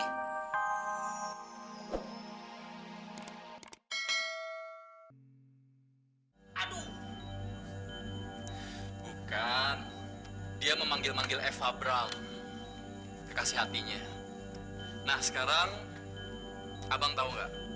aduh bukan dia memanggil manggil eva bral kekasih hatinya nah sekarang abang tahu enggak